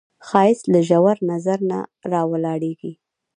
ښایست له ژور نظر نه راولاړیږي